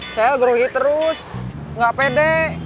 saya geruhi terus gak pede